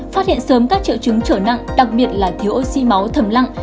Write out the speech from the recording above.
phát hiện sớm các triệu chứng trở nặng đặc biệt là thiếu oxy máu thầm lặng